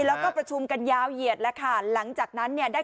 แล้วก็ประชุมกันยาวเหยียดแล้วค่ะหลังจากนั้นเนี่ยได้